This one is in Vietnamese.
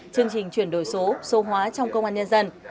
chương trình chuyển đổi số số hóa trong công an nhân dân